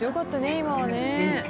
今はね。